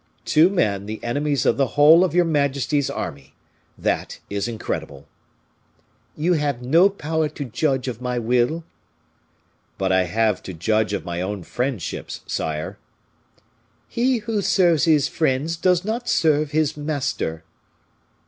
"Two men the enemies of the whole of your majesty's army! That is incredible." "You have no power to judge of my will." "But I have to judge of my own friendships, sire." "He who serves his friends does not serve his master."